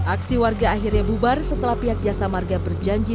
aksi warga akhirnya bubar setelah pihak jasa marga berjanji